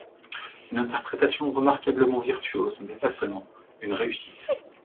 Une interprétation remarquablement virtuose, mais pas seulement... une réussite!